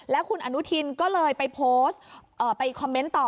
แล้วคุณอนุทินก็เลยไปโพสต์ไปคอมเมนต์ต่อ